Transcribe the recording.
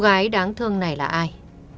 cô gái đáng thương này là ai